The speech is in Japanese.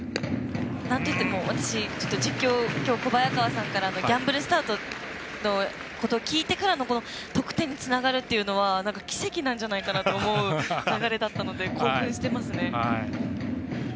なんといっても私きょう、小早川さんからギャンブルスタートのことを聞いてからの得点につながるというのは奇跡なんじゃないかなと思う流れだったので興奮していますね。